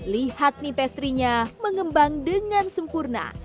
lihat nih pastry nya mengembang dengan sempurna